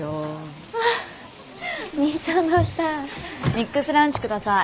ミックスランチ下さい。